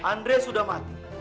andre sudah mati